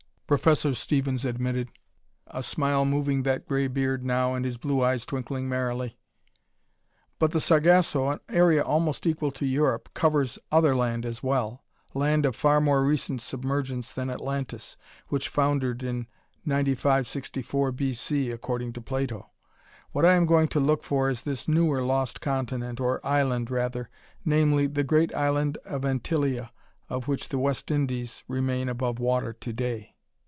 Professor Stevens admitted, a smile moving that gray beard now and his blue eyes twinkling merrily. "But the Sargasso, an area almost equal to Europe, covers other land as well land of far more recent submergence than Atlantis, which foundered in 9564 B. C., according to Plato. What I am going to look for is this newer lost continent, or island rather namely, the great island of Antillia, of which the West Indies remain above water to day."